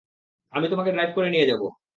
আমি তোমাকে ড্রাইভ করে নিয়ে যাব।